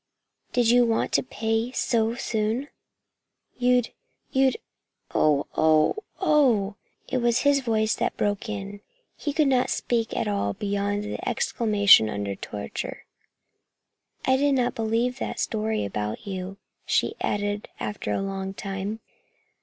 "Did you want pay so soon? You'd you'd " "Oh! Oh! Oh!" It was his voice that now broke in. He could not speak at all beyond the exclamation under torture. "I didn't believe that story about you," she added after a long time.